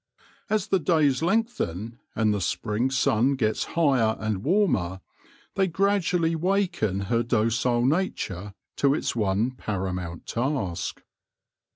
As the days lengthen, and the spring sun gets higher and warmer, they gradually waken her docile nature to its one para mount task.